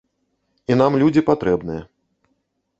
І нам людзі патрэбныя.